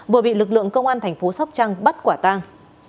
vừa bị lực lượng công an thành phố sóc trăng bắt quả tang